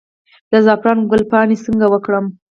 د زعفرانو ګل پاڼې څه وکړم؟